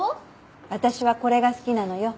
私はこれが好きなのよ。